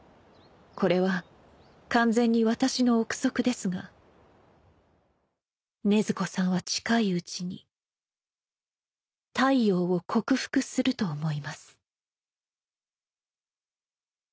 これは完全に私の臆測ですが禰豆子さんは近いうちに太陽を克服すると思います」